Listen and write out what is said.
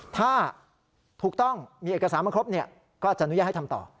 ถ้าถูกต้องมีเอกสารมาครบก็จะอนุญาตให้ทำต่อ